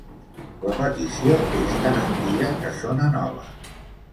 la petició és tan antiga que sona nova